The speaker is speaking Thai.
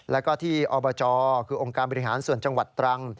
แล้วก็ที่อบจคือองค์การบริหารส่วนจังหวัดตรัง